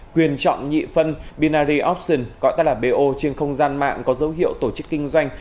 quyền chọn nhị phân binary options gọi ta là bo trên không gian mạng có dấu hiệu tổ chức kinh doanh